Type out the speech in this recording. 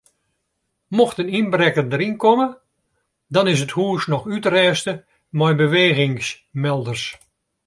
Mocht in ynbrekker deryn komme dan is it hûs noch útrêste mei bewegingsmelders.